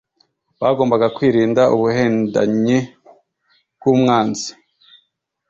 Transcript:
Bagombaga kwirinda ubuhendanyi bw’umwanzi,